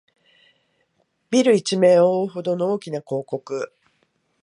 ビル一面をおおうほどの大きな広告